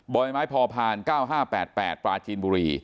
บรรยไม้พอผ่าน๙๕๘๘ป่าชินบุรี